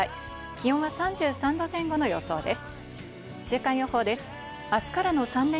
気温は３３度前後の予想です。